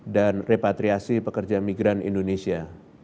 dan repatriasi pekerja migran indonesia